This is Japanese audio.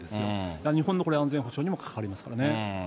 だから、日本の安全保障にもこれ、関わりますよね。